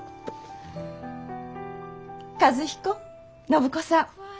和彦暢子さん